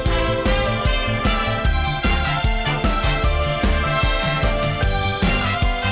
อ่าดังนั้นวันนี้นะคะเราทั้ง๓คนลาไปก่อนนะคะ